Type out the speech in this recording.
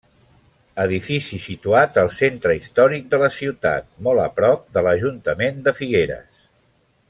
Edifici situat al centre històric de la ciutat molt a prop de l'Ajuntament de Figueres.